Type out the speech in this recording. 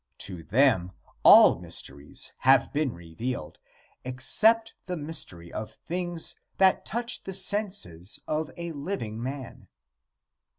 To them all mysteries have been revealed, except the mystery of things that touch the senses of a living man.